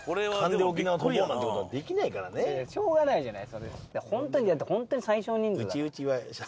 いやいやしょうがないじゃない。